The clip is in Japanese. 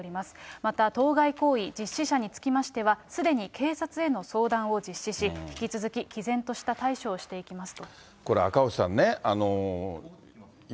また、当該行為実施者につきましては、すでに警察への相談を実施し、引き続き、きぜんとした対処をしていきますと。